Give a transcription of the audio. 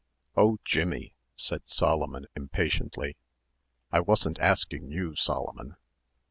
"Oh, Jimmie," said Solomon impatiently. "I wasn't asking you, Solomon."